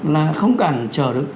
là không cần chờ được